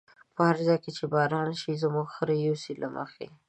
په هر ځای چی باران راشی، زموږ خره يوسی له مخی